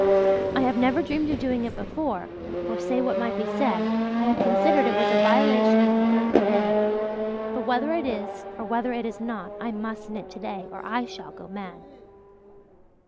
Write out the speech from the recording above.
I have never dreamed of doing it before for, say what might be said, I have considered it was a violation of the third commandment. But whether it is or whether it is not I must knit today or I shall go mad."